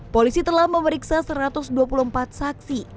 polisi telah memeriksa satu ratus dua puluh empat saksi